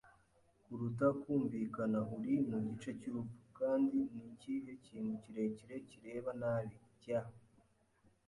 kuruta kumvikana, "uri mu gice cy'urupfu, kandi ni ikihe kintu kirekire kireba nabi, cya